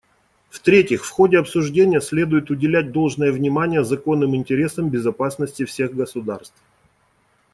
В-третьих, в ходе обсуждения следует уделять должное внимание законным интересам безопасности всех государств.